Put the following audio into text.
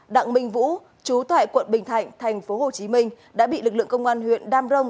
đặng minh vũ chú thạy quận bình thạnh tp hcm đã bị lực lượng công an huyện đam rông